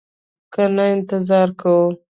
که نه انتظار کوو.